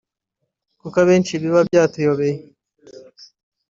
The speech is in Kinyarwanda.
kuko abenshi biba byatuyobeye”